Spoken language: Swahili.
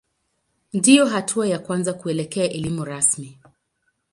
Ndiyo hatua ya kwanza kuelekea elimu rasmi.